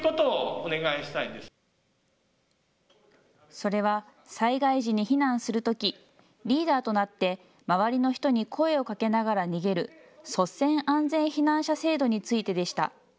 それは災害時に避難するときリーダーとなって周りの人に声をかけながら逃げる率先安全避難者制度についてでした。